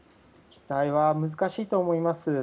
期待は難しいと思います。